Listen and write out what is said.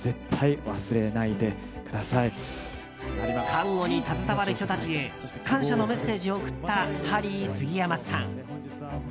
看護に携わる人たちへ感謝のメッセージを送ったハリー杉山さん。